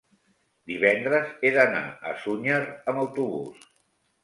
divendres he d'anar a Sunyer amb autobús.